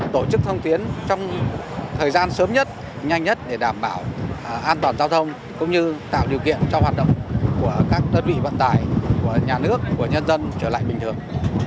tổ chức thông tuyến trong thời gian sớm nhất nhanh nhất để đảm bảo an toàn giao thông cũng như tạo điều kiện cho hoạt động của các đơn vị vận tải của nhà nước của nhân dân trở lại bình thường